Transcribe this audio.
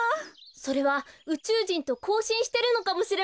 それはうちゅうじんとこうしんしてるのかもしれません。